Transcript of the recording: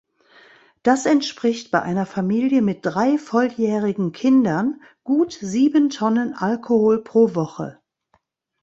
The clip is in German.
Das entspricht bei einer Familie mit drei volljährigen Kindern gut sieben Tonnen Alkohol pro Woche.